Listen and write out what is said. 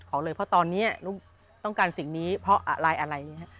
เลยเพราะตอนนี้ลูกต้องการสิ่งนี้เพราะอะไรอะไรอย่างนี้